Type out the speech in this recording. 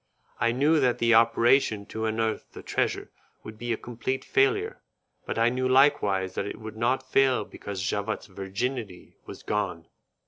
I knew that the operation to unearth the treasure would be a complete failure, but I knew likewise that it would not fail because Javotte's virginity was gone.